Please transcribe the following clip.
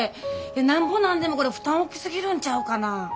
なんぼなんでもこれ負担大きすぎるんちゃうかな。